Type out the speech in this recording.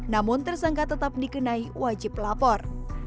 namun tersangka tetap dikenai wajib lapor